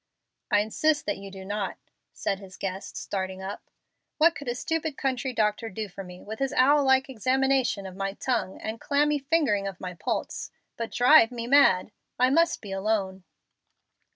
"I insist that you do not," said his guest, starting up. "What could a stupid country doctor do for me, with his owl like examination of my tongue and clammy fingering of my pulse, but drive me mad? I must be alone."